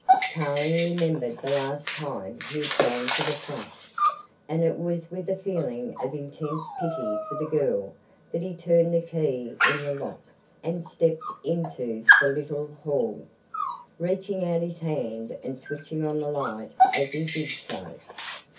Tarling remembered the last time he had gone to the flat, and it was with a feeling of intense pity for the girl that he turned the key in the lock and stepped into the little hall, reaching out his hand and switching on the light as he did so.